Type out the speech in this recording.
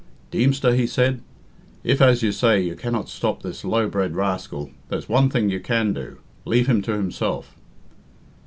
"Deemster," he said, "if, as you say, you cannot stop this low bred rascal, there's one thing you can do leave him to himself."